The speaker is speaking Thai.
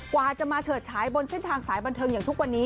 กว่าจะมาเฉิดฉายบนเส้นทางสายบันเทิงอย่างทุกวันนี้